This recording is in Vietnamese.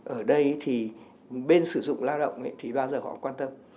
ở đây thì bên sử dụng lao động thì bao giờ họ quan tâm